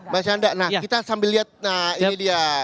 mas yanda nah kita sambil lihat nah ini dia